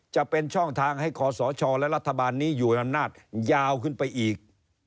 จะเป็นช่องทางให้ขอสชและรัฐบาลนี้อยู่ในอำนาจยาวขึ้นไปอีก